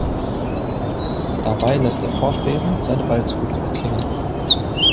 Dabei lässt er fortwährend seine Balzrufe erklingen.